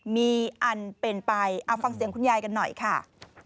มีอันเป็นไปเอาฟังเสียงคุณยายกันหน่อยค่ะ